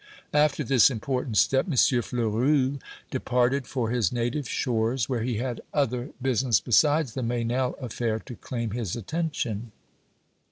After this important step M. Fleurus departed for his native shores, where he had other business besides the Meynell affair to claim his attention.